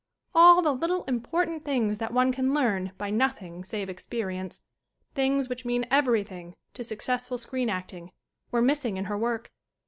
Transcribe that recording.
All the little important things that one can learn by nothing save experience, things which mean everything to successful screen acting, were missing in her work.